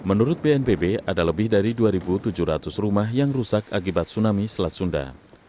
menurut bnpb ada lebih dari dua tujuh ratus rumah yang rusak akibat tsunami selat sunda